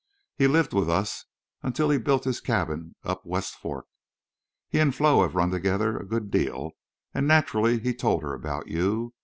He lived with us until he built his cabin up West Fork. He an' Flo have run together a good deal, an' naturally he told her about you.